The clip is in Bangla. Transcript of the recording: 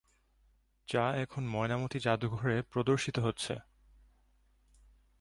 যা এখন ময়নামতি জাদুঘরে প্রদর্শিত হচ্ছে।